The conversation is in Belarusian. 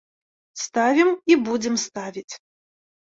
Ставім і будзем ставіць.